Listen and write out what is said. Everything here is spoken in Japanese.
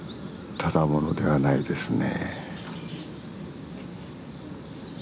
ただ者ではないですね。